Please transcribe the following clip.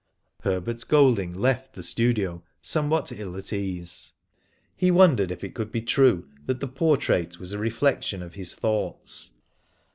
Herbert Golding left the studio somewhat ill at ease. He wondered if it could be true that the portrait was a reflection of his thoughts.